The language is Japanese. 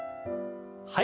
はい。